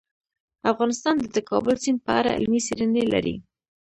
افغانستان د د کابل سیند په اړه علمي څېړنې لري.